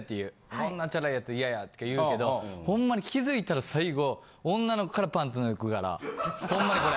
こんなチャラい奴イヤやとか言うけどほんまに気付いたら最後女の子からパンツ脱ぐからほんまにこれ。